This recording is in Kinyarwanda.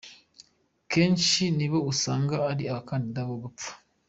Kenshi ni nabo usanga ari abakandida bo gupfa.